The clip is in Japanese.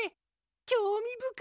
きょうみぶかい。